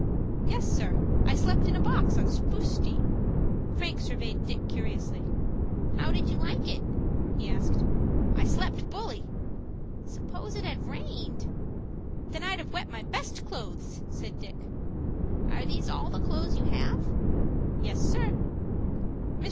"Yes, sir, I slept in a box on Spruce Street." Frank surveyed Dick curiously. "How did you like it?" he asked. "I slept bully." "Suppose it had rained." "Then I'd have wet my best clothes," said Dick. "Are these all the clothes you have?" "Yes, sir." Mr.